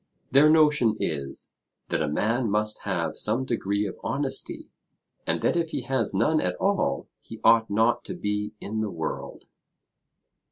Their notion is, that a man must have some degree of honesty; and that if he has none at all he ought not to be in the world.